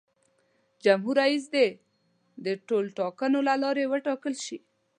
جمهور رئیس دې د ټولټاکنو له لارې وټاکل شي.